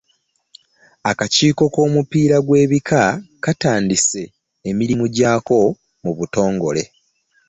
Akakiiko k'omupiira gw'ebika katandise emirimu gyako mu butongole.